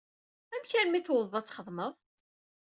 Amek armi i tewwḍeḍ ad txedmeḍ?